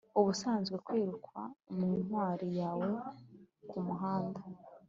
ubusanzwe kwiruka mu ntwari yawe kumuhanda.